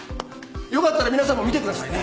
よかったら皆さんも見てくださいね。